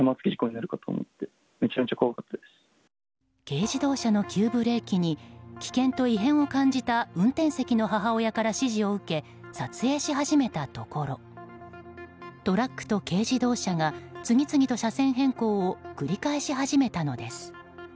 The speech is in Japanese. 軽自動車の急ブレーキに危険と異変を感じた運転席の母親から指示を受け、撮影し始めたところトラックと軽自動車が次々と車線変更を繰り返し始めたのです。